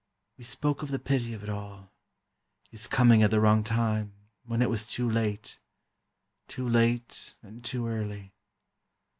We spoke of the pity of it all—his coming at the wrong time, when it was too late—too late and too early.